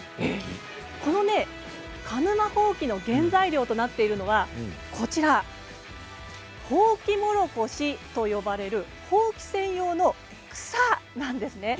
この鹿沼ほうきの原材料となっているのはホウキモロコシと呼ばれるほうき専用の草なんです。